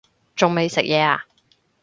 仲未食嘢呀